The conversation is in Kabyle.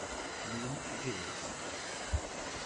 Tḥemmlemt tagrest?